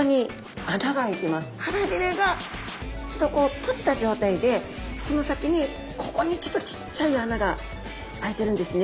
腹びれがちょっとこう閉じた状態でその先にここにちっちゃい穴があいてるんですね。